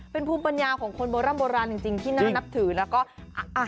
เป็นภูมิปัญญาของคนโบร่ำโบราณจริงจริงที่น่านับถือแล้วก็อ่ะ